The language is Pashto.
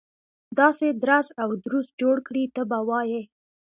داسې درز او دروز جوړ کړي ته به وایي.